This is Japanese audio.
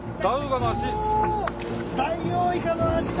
おダイオウイカの足だ！